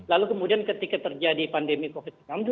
lalu kemudian ketika terjadi pandemi covid sembilan belas